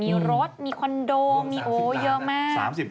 มีรถมีคอนโดมีโอ้เยอะมาก